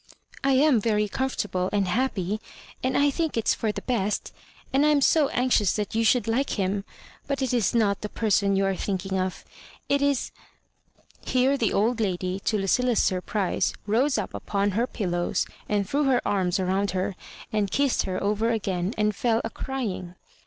" I am very comfortable and happy, and I think it's for the best; and I am so anxious that you should like him; but it is not the person you are thinking of. It is '* Here the^ old lady, to Lucilla's surprise, rose up upon her pillows and threw her arms around her, and kissed her over again, and fell a crying.